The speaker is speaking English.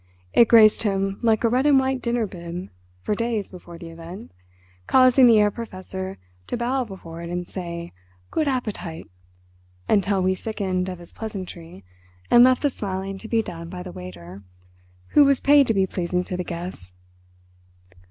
It graced him like a red and white "dinner bib" for days before the event, causing the Herr Professor to bow before it and say "good appetite" until we sickened of his pleasantry and left the smiling to be done by the waiter, who was paid to be pleasing to the guests.